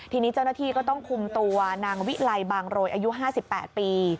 ทีนี้เจ้าหน้าที่ก็ต้องคุมตัวนางวิไลบางโรยอายุ๕๘ปี